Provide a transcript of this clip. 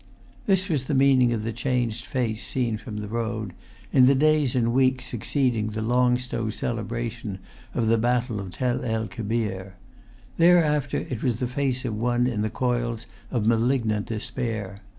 This was the meaning of the changed face seen from the road, in the days and weeks succeeding the Long Stow celebration of the battle of Tel el Kebir. Thereafter it was the face of one in the coils of malignant despair.